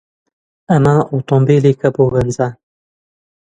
ئەمە ئۆتۆمۆبیلێکە بۆ گەنجان.